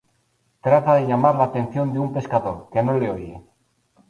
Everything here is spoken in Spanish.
Trata de llamar la atención de un pescador, que no le oye.